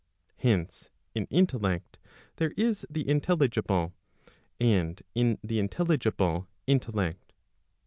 Hence, in intellect there is the intel¬ ligible, and in the intelligible intellect.